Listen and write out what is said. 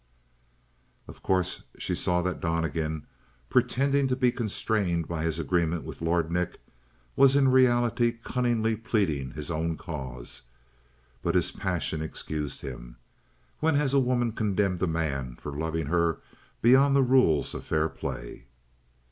Of course she saw that Donnegan, pretending to be constrained by his agreement with Lord Nick, was in reality cunningly pleading his own cause. But his passion excused him. When has a woman condemned a man for loving her beyond the rules of fair play?